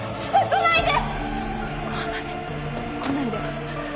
来ないで！